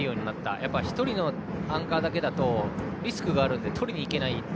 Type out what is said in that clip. やっぱり１人のアンカーだけだとリスクがあるのでとりにいけない。